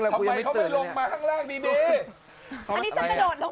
อันนี้จะโดดลงมาหรอคะ